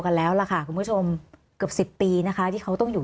แล้วล่ะค่ะคุณผู้ชมเกือบสิบปีนะคะที่เขาต้องอยู่